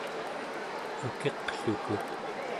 ukiqluku